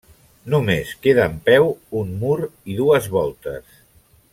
Només queda en peu un mur i dues voltes.